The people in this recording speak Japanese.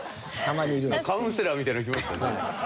カウンセラーみたいなのきましたね。